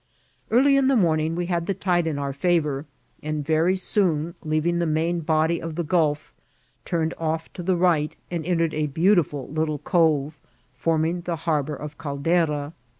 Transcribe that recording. Early in the morning we had the tide in our favour^ and very soon leaving the main body of the gulf, turn* ed <^ to the right, and entered a beautiful little covci forming Ae harbour of Caldera.